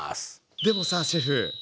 でもさシェフ